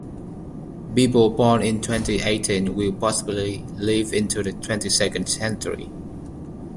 People born in twenty-eighteen will possibly live into the twenty-second century.